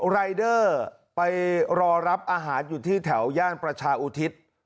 รายเดอร์ไปรอรับอาหารอยู่ที่แถวย่านประชาอุทิศ